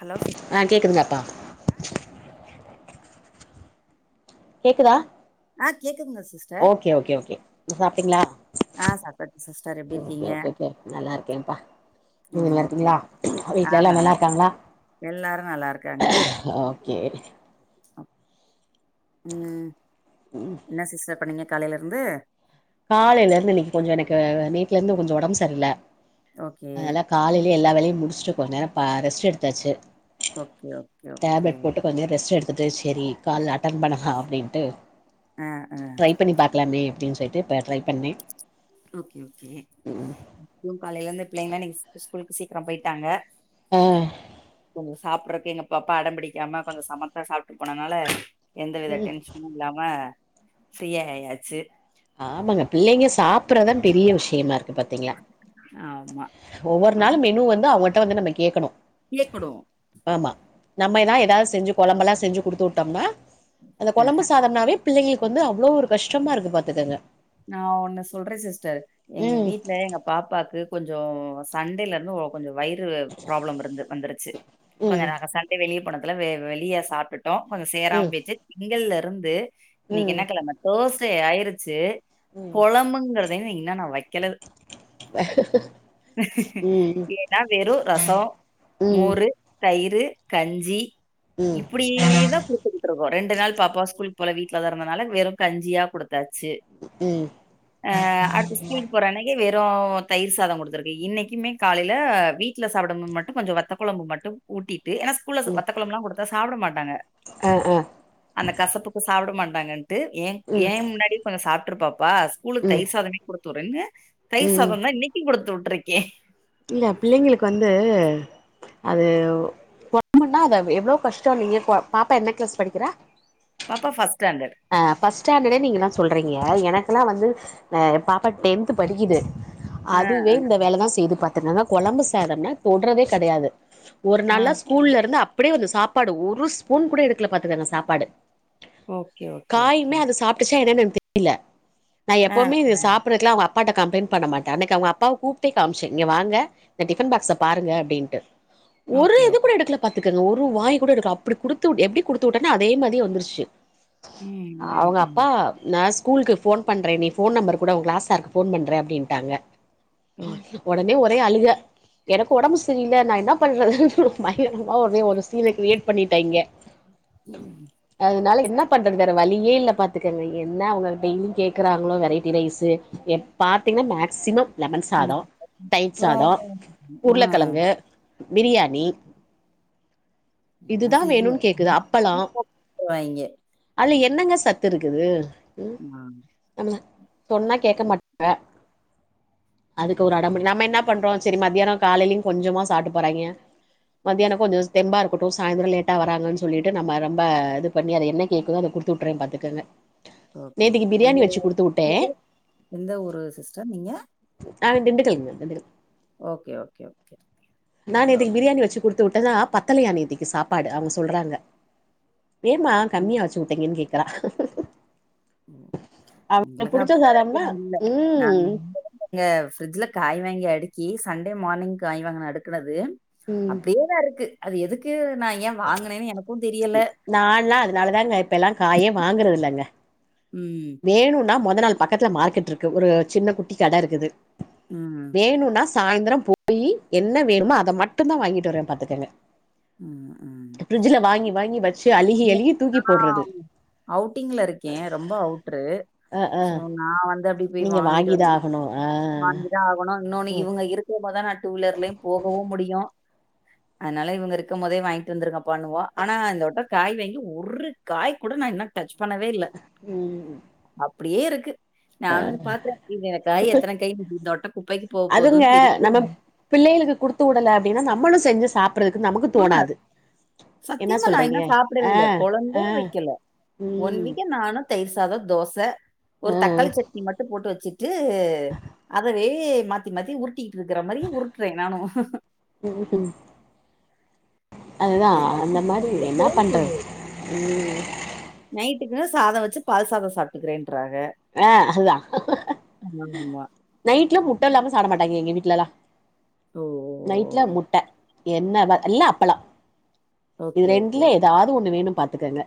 Hello sis ஆ கேக்குதுங்ளாப்பா ஆ கேக்குது கேக்குதா ஆ கேக்குதுங்க சிஸ் ஓகே ஓகே ஓகே நீ சாப்ட்டீங்ளா ஆ சாப்ட்டாச்சு சிஸ்டர் எப்டி ஓகே இருக்கீங்க ஓகே ஓகே நல்லா இருக்கேப்பா நீங்க ம் நல்லா ஓகே இருக்கிங்ளா ஆ வீட்ல எல்லா நல்லா இருக் இருக்காங்ளா எல்லாரு நல்லா ஓ கே அ, ம் ம் என்ன சிஸ்டர் பண்ணீங்க காலைல இருந்து காலைல இருந்து இன்னைக்கி கொஞ்சோ எனக்கு நேத்துல இருந்து கொஞ்சோ ஒடம்பு சரியில்ல ஓகே அதனால காலைலே எல்லா வேலையு முடிச்சுட்டு கொஞ்ச நேர ப ரெஸ்ட்டு எடுத்தாச்சு ஓகே ஓகே ஓகே டேப்லெட் போட்டு கொஞ்ச நேரம் ரெஸ்ட்டு எடுத்துட்டு சேரி கால் அட்டன் பண்ணலா அப்டின்ட்டு ஆ ஆ ட்ரைப் பண்ணி பாக்கலாமே அப்டின்னு சொல்ட்டு இப்ப ட்ரை பண்ணே ஓகே ஓகே இங்கயு காலைலருந்து பிள்ளைங்களா இன்னக்கி ஸ்கூலுக்கு சீக்கிர போயிட்டாங்க ஆ கொஞ்சோ சாப்புட்றக்கு எங்க பாப்பா அடம் பிடிக்காம கொஞ்சோ சமத்தா சாப்ட்டு போனனால எந்த வித ம் டென்ஷனு இல்லாம ஃபிரியா ஆயாச்சு ஆமாங்க பிள்ளைங்க சாப்பிட்றதா பெரிய விஷயமா இருக்கு பாத்தீங் னா ஆமா ஒவ்வொரு நாளும் மெனு வந்து அவங்கட்ட வந்து நம்ம கேக்கணு கேக்கனு ஆமா நம்ம எதா எதா செஞ்சு கொழம்பெல்லா செஞ்சு குடுத்துவுட்டோம்னா அந்த ஆ கொழம்பு சாதம்னாவே பிள்ளைங்களுக்கு வந்து அவ்ளோ ஒரு கஷ்டமா இருக்கு பாத்துக்கங்க நா ஒன்னு சொல்றே சிஸ்டர் எங்க ம் வீட்ல எங்க பாப்பாக்கு கொஞ்சோ சண்டேலருந்து ஒ கொஞ்சோ வயிறு ப்ராப்ளம் இருந்து வந்துருச்சி கொஞ்ச ம் நாங்க சண்டே வெளிய போனதுல வெ வெளியே சாப்டுட் டோ கொஞ்சோ சேராம் ம் பெயிர்ச்சி நிகள்லருந்து இன்னைக் ம் என்ன கெழம தேஸ்டே ஆயிருச்சி ம் கொழம்புங்றதே நா இன்னு நா வைக்கலவு ம் ஏ நா வெறு ரசோ ம் மோரு தயிரு கஞ்சி ம் இப்டியே தா குடுக்குது ட்ருக்கோ ரெண்டு நாள் பாப்பா ஸ்கூல்க்கு போல வீட்லதா இருந்தனால வெறு கஞ்சியா குடுத்தாச்சி ம் ஆ அடுத்து ஸ்கூலுக்கு போற அன்னைக் கி வெறூ தயிர் சாதோ குடுத்துருக்கு இன்னைக்கிமே காலையில வீட்ல சாப்படும் போது மட்டு கொஞ்சோ வத்த கொழம்பு மட்டு ஊட்டிட்டு ஏனா ஸ்கூலஸ் ம் வத்த கொழம்புலா குடுத்தா சாப்புட மாட்டாங்க ஆ ஆ அந்த கசப்புக்கு சாப்புட மாட்டாங்கன்ட்டு ஏ ம் ஏ முன்னாடி கொஞ்சோ சாப்ட்ரு பாப்பாஸ் கூலுக் ம் தயிர் சாதமே குடுத்துவுட்றன்னு தயிர் ம் சாதோந்தா இன்னைக்கு குடுத்துவுட்ருக்கே இல்ல பிள்ளைங்களுக்கு வந்து அதுவ் கொழம்புன்னா அதவ் எவ்ளோ கஷ்டோ நீங்கே ப பாப்பா என்ன கிளாஸ் படிக்கிறா பாப்பா ஃபஸ்டேண்டர்ட் அ ஃபர்ஸ்ட்டேண்டட நீங்கலா சொல்றிங்க எனக்குலா வந்து அ ஏ பாப்பா டென்த்து படிக்கிது ஆ, அதுவே ஆ, இந்த வேலதா செய்து பாத்துக்கங்க கொழம்பு சாதம்னா தொட்றதே கெடையாது ஒரு ஆ. நாள்லா ஸ்கூல்லருந்து அப்டியே வந்து சாப்பாடு ஒரு ஸ்பூன் கூட எடுக்கல பாத்துக்கங்க சாப்பாடு ஓகே ஓகே, ஓகே. காயுமே அது சாப்டுச்சா என்னன் எனக்கு தெரியல நா ஆ, எப்பவுமே இது ம். சாப்புறக்குலா அவங்கப் பாட்ட கப்ளைண்ட் பண்ண மாட்ட அன்னைக்கு அவங்க அப்பாவ கூப்டே காம்ச்ச இங்க வாங்க இந்த டிஃபன் பாக்ஸ பாருங்க அப்டின்ட்டு ஒரு ஓகே, இது ஓகே. கூட எடுக்கல பாத்துக்கங்க ஒரு வாய் கூட எடுக்ல அப்டி குடுத்துவுட் எப்டி குடுத்துவுட்னோ அதே மாதியே வந்துருச்சு ம், ம், ம். அவுங்கப்பா நா ஸ்கூலுக்கு ஃபோன் பண்றே நீ ஃபோன் நம்பரு குடே ஓ கிளாஸ் சார்க்கு ஃபோன் பண்றே அப்டின்டாங்க ஓகே. ஒடனே ஒரே அழுக எனக்கு ஒடம்பு சரியில்ல நா என்னா பண்றதுனு பயங்கரமா ஒரே ஒரு சீன கிரியேட் பண்ணிட்டாய்ங்க ம் அதுனால என்னப் பண்றது வேற வழியே இல்ல பாத்துக்கங்க என்ன அவங்க டெய்லியு கேக்குறாங்களோ வெரைட்டி ரைஸு எ பாத்தீங்னா மேக்ஸிமம் லெமன் சாதோ ம். தயிர் சாதோ அப்புறம் ஆ உருளக்கெழங்கு பிரியாணி என்ன இதுதா செய்ய வேணுன்னு கேக்குது அப்பளோ [unintelligible] போட்ருவாய்ங்க அதுல என்னங்க சத்துருக்குது மாம் சரி அ அதுக்கு ஒரு அடமன் நம்ம என்ன பண்றோ சரி மதியானோ காலையிலயு கொஞ்சமா சாப்ட்டு போறாய்ங்க மதியானோ கொஞ்சோ தெம்பா இருக்கட்டு சாயந்தரோ லேட்டா வராங்கன் சொல்லிட்டு நம்ம ரொம்ப இது பண் ணி அது என்ன கேக்குதோ அத குடுத்துவுட்டுரே பாத்துக்கங்க ஓகே ஓகே நேத்திக்கு பிரியாணி ஒங்கள வச்சு குடுத்து விட்டே [unintelligible] எந்த ஊரு சிஸ்டர் நீங்க நாங்க திண்டுக்கல்ங்க Dindigul okay okay okay okay டோடல்லா பத்தலையா நேத்திக்கு சாப்பாடு அவங்க சொல்றாங்க ஏமமா கம்மியா வச்சு உட்டிங்கன்னு கேக்குறா ம் அவனுக்கு உங்களுக்கு புடிச்ச அப்டிதா சாதம்னா இருக்குன் நடுவுல நா ம் [unintelligible] ங்க ஃப்ரிஜ்ட்ல காய் வாங்கி அடுக்கி சண்டே மார்னிங் காய் வாங்குன அடுக்கனது ம் அப்டியே தா இருக்கு அது எதுக்கு நா ஏன் வாங்குனன்னு எனக்குன் தெரியல நால்லா அதனால தாங்க இப்பெல்லா காயே வாங்குறதில்லங்க ம் வேணுன்னா மொத நாள் பக்கத்தில மார்க்கெட் இருக்கு ஒரு சின்ன குட்டி கட இருக்குது ம் வேணுன்னா சாய்ந்தரம் போயி என்ன வேணுமோ அத மட்டுந்தா வாங்கிட்டு வருவேன் பாத்துக்கங்க ம் ம் ஃபிரிட்ஜில வாங்கி வாங்கி வச் இன்னைக்கா அவுட்டிங்ல இருக்கேன் ரொம்ப அவுட்ரு அ ஆ சோ நா வந்து அப்டி போய் நீங்க வாங்கிட்டு வாங்கிதா வரணும் ஆகணு ஆ வாங்கி தா ஆகணு இன்னொன்னு ம் இவங்க இருக் போம்போதா நா டூ வீலர்ல போகவு முடியு அதனால இவ்ங்க இருக்கம் போதே வாங்ட்டு வந்திருக்கபாண்ணுவோ ஆனா இந்த வட்ட காய் வாங்கி ஒரு காய் கூட நா இன்னோ டச் பண்ணவே இல்ல ம் அப்டியே இருக்கு நானு இத பாக்ற என் எத்தன கை இந்தொட்ட குப்பைக்கு போக அதுங்க போம்ன்னு நம்ம தெரில பிள்ளைகளுக்கு கொடுத்து விடல அப்டின்னா நம்மளு செஞ்சு சாப்றதுக்கு நமக்கு தோணாது என்ன சத்தியமா நா இன்னு சொல்றீங்க சாப்டவே ஆ இல்ல ஆ கொழம்பும் வக்கல ஒன் ம் வீக்க நானு தயிர் சாத தோச ஒரு ஆ தக்காளி சட்னி மட்டு போட்டு வச்சுட்டு அதுவே ந்து மாத்தி மாத்தி உருட்டிட்டு இருக்கிற மாரி உருட்றே நானும் ம் ம் அதுதா என்ன அந்த மாரி என்னாப் பண்றது ம் நைட்டுக்குன்னு சாத வச்சு பால் சாத சாப்ட்டுக்றேன்றாங்க ஆ அதா நைட்ல முட்ட இல்லாம சாப்பிட மாட்டாங்க எங்க வீட்லயெல்லா ஓ நைட்ல முட்ட என்ன இல்ல அப்பளோ இது ஓகே, ஓகே, ரெண்டுல ஓகே. ஏதாது ஒண்ணு வேணு பாத்துக்கங்க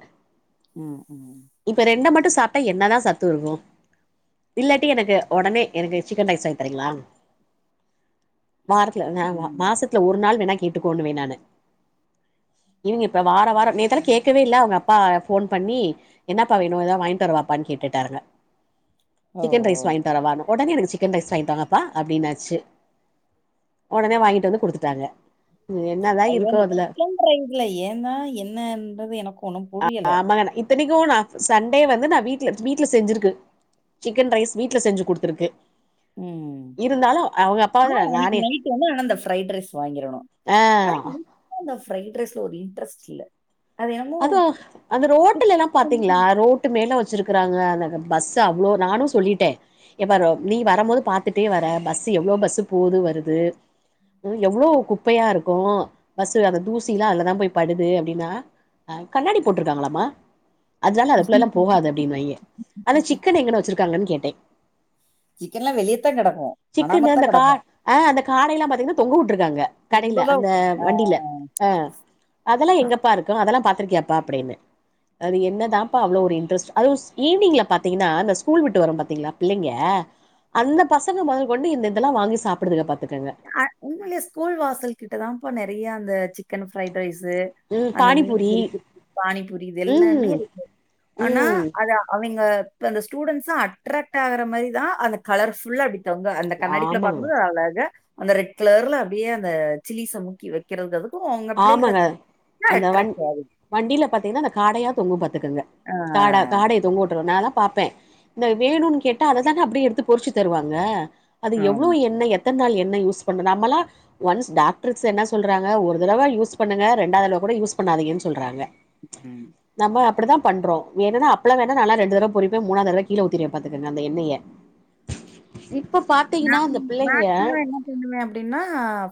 ம் ம் இப்ப ரெண்ட மட்டு சாப்டா என்னதா சத்து இருக்கும் இல்லாட்டி எனக்கு ஒடனே எனக்கு சிக்கன் ரைஸ் வாங்கித்தறிங்களா வாரத்துல அ ம். மாசத் துல ஒரு நாள் வேணா கேட்டுக்கோன்னுவே நானு இவங்க இப்ப வார வார நேத்தெல்லா கேக்கவே இல்ல உங்க அப்பா ஃபோன் பண்ணி என்னப்பா வேணு ஏதா வாங்கிட்டு வரவாப்பான் கேட்டுட்டாங்க ஓ! சிக்கன் ரைஸ் வாங்கிட்வரவா ஒடனே எனக்கு சிக்கன் ரைஸ் வாங்கி தாங்கப்பா அப்டின்னாச்சு ஒடனே வாங்கிட்டு வந்து குடுத்துட்டாங்க என்னதா ஐயோ இருக்கோ இந்த அதுல சிக்கன் ரைஸ்ல ஏன் தா என்னன்றது எனக்கு ஒண்ணும் புரியல இத்தனிக்கும் நா சண்டே வந்து நா வீட் வீட்ல செஞ்சிருக்கு சிக்கன் ரைஸ் வீட்ல செஞ்சு குடுத்துருக்கு ம் இருந்தாலு அவங்க அப்பா ஆனா அன்னைக்கு நானே நைட் வந்து அந்த ப்ரைட் ரைஸ் வாங்கிடணு ஆ ஆனா ஆனா அந்த ஃப்ரைட் ரைஸ்ல ஒரு இன்டரஸ்ட் இல்ல அது என்னமோ அதா அந்த ரோட்ல எல்லா பாத்தீங்களா ரோட் டு மேல வச்சிருக்குறாங்க அ பஸ் அவ்ளோ நானு சொல்லிட்டே இங்க பாரு நீ வரு போது பாத்துட்டே வர பஸ்சு எவ்ளோ பஸ்சு போது வருது எவ்ளோ குப்பையா இருக்கு பஸ்சு அந்த தூசிலா அதுலதா போய் படுது அப்டின்னா ஆ கண்ணாடி போட்டிருக்காங்களாமா அதனால அதுக்குள்ள எல்லா போகாத அப்டின்னு வாங்கே அந்த சிக்கன் எங்குன வச்சிருக்காங்கன்னு கேட்டே சிக்கன் எல்லா வெளியேதா கெடக்கு அனாமத்தா கெடக்கு அ அந்த காடைலா பாத்தீங்கன்னா தொங்க விட்ருக்காங்க ரொம்ப கடையில தான் அந்த ஆ. வண்டில ஆ அதெல்லா எங்கப்பா இருக்கு அதெல்லா பாத்திருக்கியாப்பா அப்டின்னு அது என்னதாப்பா அவ்ளோ ஒரு இன்ட்ரெஸ்ட் அது ஈவினிங்ல பாத்தீங்கன்னா இந்த ஸ்கூல் விட்டு வரு பாத்தீங்களா பிள்ளைங்க அந்த பசங்க முதல் கொண்டு இந்த இதெல்லா வாங்கி சாப்பிடுதுக பாத்துக்கங்க அ உண்மையிலே ஸ்கூல் வாசல்கிட்ட தாப்பா நெறைய அந்த சிக்கன் ஃரைட் ரைஸ்சு ம் அந்த மீன் பானிபூரி பொறி பானிபூரி இது எல்லாமே ம் இருக்கு ஆனா ம் அத அவங்க இப்ப அந்த ஸ்டூடெண்ட்ஸ்ஸ அட்ராக்ட் ஆகுற மாரிதா அந்த கலர்ஃபுல்லா அப்டி வங்க அந்த கண்ணாடிக்குள்ள பாக்கு ஆமாங்க போது அழகா அந்த ரெட்கலர்ல அப்டியே அந்த சிலிஸை மூக்கி வச் கிறதுக்கு அதுக்கு உங்க ஆமாங்க பிள்ளைகளுக்கு அந்த வண் அட்ராக்ட் ஆகுது வண்டியில பாத்தீங்கன்னா அந்த காடையா தொங்கு பாத்துக்குங்க ஆ காட காடய தொங்க விட்டுறு நா தா பாப்பே இந்த வேணும்ன்னு கேட்டா அததானே அப்டியே எடுத்து பொறிச்சு தருவாங்க அது எவ்ளோ ஆமா. எண்ணெ எத்தன நாள் எண்ணெ யூஸ் பண்ணது நம்மலா ஒன்ஸ் டாக்டர் என்ன சொல்றாங்க ஒரு ஒரு தடவ யூஸ் பண்ணுங்க ரெண்டாவது தடவ கூட யூஸ் பண்ணாதீங்கன்னு சொல்றாங்க ம் நம்ம அப்டிதா பண்றோ வேனுன்னா அப்பலோ வேனா நாலா ரெண்டு தடவ பொறிப்ப மூணாவது தடவ கீழ ஊத்திருவ பாத்துக்கங்க அந்த எண்ணெய இப்ப பாத்தீங்கன்னா அந்த பிள்ளைங்க பண்ணுவே அப்டின்னா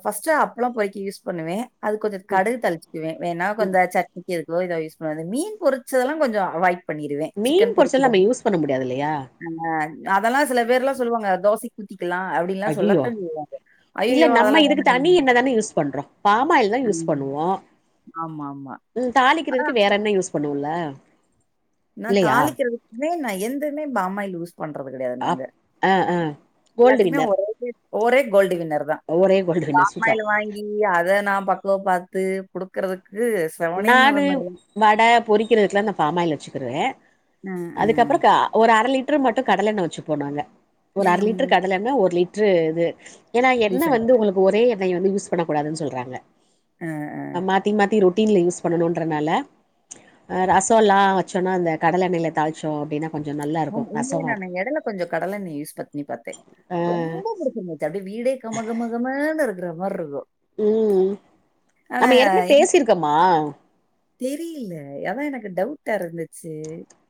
ஃபர்ஸ்ட்ட அப்பலோ பொறிக்க யூஸ் பண்ணுவே அது கொஞ்சோ கடுகு தளிச்சிக்குவே வேணா கொஞ்சோ சட் நிக்கதுக்கோ இத யூஸ் பண்ணுவாது அந்த மீன் பொறிச்சதெல்லா கொஞ்சோ அவாட் மீன் பொருச்சத்தல்லா நம்ம யூஸ் பண்ண முடியாது இல்லயா ஆ அதெல்லா சில பேர் எல்லா சொல்லுவாங்க தோசைக் ஐய்யயோ இல்ல ஐயய்யோ! நம்ம அதெல்லாம் வே இதுக்கு தனி எண்ணெ தானே யூஸ் பண்றோ ஃபாம்ஆயில் தா யூஸ் ம். பண்ணுவோ ஆமாமா. தாளிக்கிறதுக்கு வேற எண்ணெ யூஸ் பண்ணுவோல நா தாளிக்கிறதுக்குமே நா எந்தமே பாமாயில் யூஸ் பண்றது கெடையாது நாங்க அப் ஆ ஆ கோல்டு எல்லாத்துக்குமே வின்னர் ஒரே ஒரே கோல்டு வின்னர் தா ஒரே கோல்டு வின்னர் சூப்பர் பாமாயில் வாங்கி இங்க அத நா பக்குவோ பாத்து கொடுக்கறதுக்கு நானு வட பொறிக்கிறதுக்குல்லா அந்த பாமாயில் வச்சுக்கிருவே அ, அ. அதுக்கப்பறோ க ஒரு அர லிட்டரு மட்டு கடல எண்ணெ வச்சுப்போ நாங்க ஒரு அர நீங்க லிட்டரு ம் கடல எண்ணெ ஒரு லிட்டரு இது ஏன்னா எண்ணெ ரீஃபண்டா? வந்து உங்களுக்கு ஒரே எண்ணெய வந்து யூஸ் பண்ண கூடாதுனு சொல்றாங்க ஆ அ மாத்தி மாத்தி ருட் டீன்ல் யூஸ் பண்ணணுன்றனால அ ரசம்ல்லா வச்சோன்னா அந்த கடல எண்ணெயில தாளிச்சோ அப்டின்னா கொஞ்சோ நல்லா இருக்கு ம் இல்லே ரசோ நா எடையல கொஞ்சோ கடல எண்ணெய் ய யூஸ் பன்னி பாத்தே ஆ ரொம்ப பிடிச்சச்சு அப்டியே வீடே கமகமகமனு ஒரு இருக்குற மாரி இருக்கும் ம் ஆனா நம்ம ஏற்க்கனே எனக்கு பேசிருக்கம்மா தெரியல அதா எனக்கு டவுட்டா இருந்துச்சு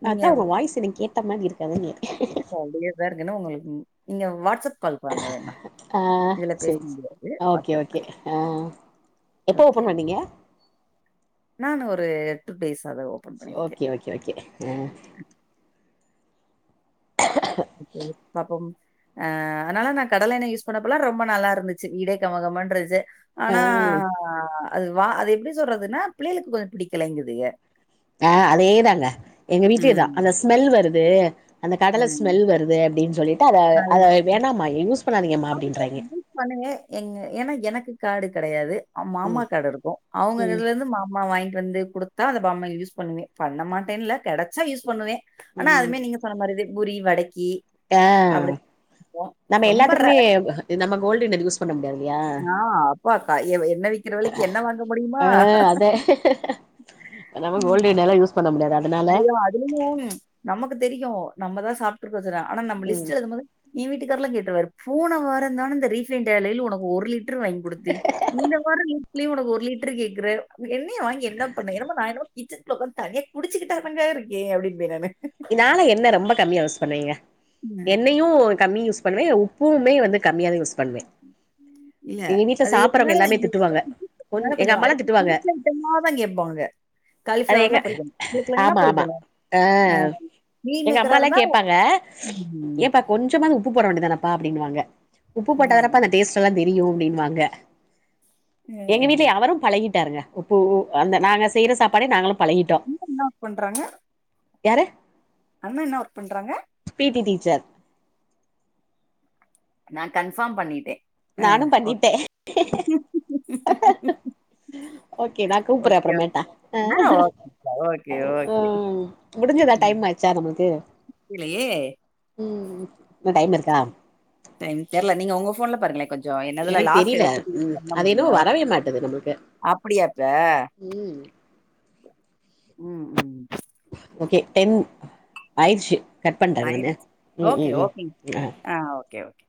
நீங்க அதா உங்க வாய்ஸ் எனக்கு கேட்ட மாரி இருக்கு அதா கேட்டே எனக்கும் அப்டியே தா இருக்கு ஏன்னா உங்களுக்கு நீங்க வாட்ஸ்அப் கால் வாங்க வேணா. ஆ இதுல பேச சேரி சே முடியாது. Okay WhatsApp call. ஓகே ஆ எப்போ ஓபன் பண்ணீங்க நானு ஒரு டூ டேஸ்சா தா ஓ ஓகே ஓகே ஓகே ஆ ஓகேங்க பாப்போம் ஆ அதனால நா கடலண்ண யூஸ் பண்ணறப்பல்லா ரொம்ப நல்லா இருந்துச்சு வீடே கமகமன்றச்சு ஆனா ஆ அது வா அது எப்டி சொல்றதுன்னா பிள்ளைகளுக்கு அ பிடிக்கலங்குதுக ஆ அதேதாங்க எங்க வீட்டயு இதா அந்த ஸ்மெல் வருது அந்த கடல ம். ஸ்மெல் வருது அப்டின்னு சொல்லிட்டு அத நான் அத இது வேணாமா யூஸ் பண்ணாதீங்கம்மா அப்டின்றாங்க பண்ணுங்க எங்க ஏன்னா எனக்கு காடு கெடையாது மாமா ம் காடு இருக்கும் அவங்க ம் இதுல இருந்து மாமா வாங்கிட்டு வந்து குடுத்தா அத பாமாயில் யூஸ் பண்ணுவே பண்ண மாட்டேன் இல்ல கெடைச்சா யூஸ் பண்ணுவே ஆனா ம் அதுமே நீங்க சொன்ன மாறி தா பூரி வடைக்கி ஆ அப்படி இருக்கும். நம்ம ரொம்ப எல்லாத்துக்குமே ரேர். நம்ம கோல்டு வின்னர் ‌யூஸ் பண்ண முடியாதுல்லையா நான் அப்பா க என்ன விக்கிற விலைக்கு என்ன வாங்க ஆ முடியுமா? அதே நம்ம கோல்டு வின்னர்ல்லாம் யூஸ் பண்ண முடியாது அந் அய்யோ அதுலயும் நமக்கு தெரியும் நம்ம தா சாப்பிட்ருக்கோ ஆனா நம்ம ம் லிஸ்ட் எழுதும்போது ஏ வீட்டுக்காரெல்லா கேட்ருவாரு போன வாரந்தான இந்த ரீபண்ட் ஆயில் உனக்கு ஒரு லிட் லிட்ரு வாங்கி குடுத்தே இந்த வாரோ த்திலே ஒனக்கு ஒரு லிட்ரு கேக்குற எண்ணய வாங்கி என்ன பண்ண என்னமே நா என்னமோ கிச்சன் குள்ள உக்காந்து தனியா குடிச்சக்கிட்டா தாங்க இருக்கே அப்டின்பே நானு நா எல்லா எண்ண ரொம்ப கம்மியா யூஸ் பண்ணுவேங்க ம். எண்ணயும் கம்மி யூஸ் பண்ணுவே உப் ப்பூவுமே வந்து கம்மியா தா யூஸ் பண்ணுவே எங்க வீட்ல சாப்புறவங்க எல்லாமே திட்டுவாங்க கொஞ் அதனால எங்க கொஞ்சோ அம்மாலா அடிக்கடி குருச்ச ஐட்டமா தா கேட்பாங்க அத எங்க காலிஃப்ளவர்னா பொரிக்கணும். உருளைக்கிழங்குனா ஆமா ஆமா பொரிக்கணும். ஆ மீல் எங்க மேக்கரா அம்மாலா இருந்தா கேட்பாங்க ம். ஏ பாப் கொஞ்சமாது உப்பு போட வேண்டதானப்பா அப்டினுவாங்க உப்பு ம். போட்டா தானப்பா அந்த டேஸ்ட் எல்லாம் தெரியும் அப்டின்வாங்க ம். எங்க ம். வீட்ல அவரும் பழகிட்டாருங்க உப்பு அந்த நாங்க செய்யற சாப்பாடு நாங்களும் பழகிட்டோ என்ன ஒர்க் யாரு அண்ண என்ன ஒர்க் பன்றாங்க பி டி டீச்சர் நா கன்ஃபார்ம் பண்ணிட்டே ஆ நானு ஓகே பண்ணிட்டே ஓகே நான் கூப்புற ஓகே அப்பறம்மேட்டா ஓகே ஆ ஓகே ஓகே ஆ ஓகே ம் முடிஞ்சதா ம் டைம் ஆச்சா நம்ளுக்கு இல்லையே ம் இன்னும் டைம் இருக்கா டைம் தெரியல நீங்க உங்க போன்ல பாருங்களே கொஞ்ச சோ என்னதுல எனக்கு லாக் தெரியல எடுத்து குடுத்து ம் பண்ண அது என்னவோ முடியும் வரவே அப்டியாப்ப உம் உம் உம் ஓகே டென் ஆயிடுச்சு கட் ஆயிரு பண்ட்றேதான உம் ஓகே உம் உம் ஓகேங்க ஆ ஓகே ஓகே